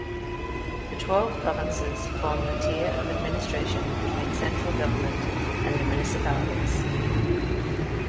The twelve provinces form the tier of administration between central government and the municipalities.